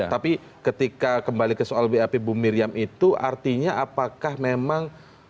tapi ketika kembali ke soal bap bu miriam itu artinya apakah memang